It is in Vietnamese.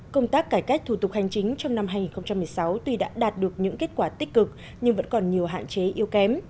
công tác cải cách thủ tục hành chính trong năm hai nghìn một mươi sáu tuy đã đạt được những kết quả tích cực nhưng vẫn còn nhiều hạn chế yếu kém